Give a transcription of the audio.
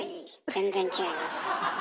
全然違います。